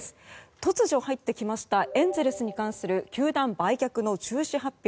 突如入ってきましたエンゼルスに関する球団売却の中止発表。